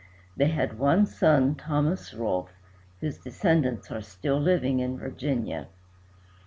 They had one son, Thomas Rolfe, whose descendants are still living in Virginia.